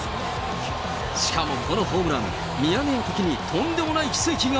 しかもこのホームラン、ミヤネ屋的にとんでもない奇跡が。